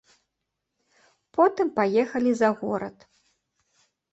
Потым паехалі за горад.